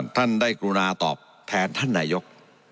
ท่านได้กรุณาตอบแทนท่านนายก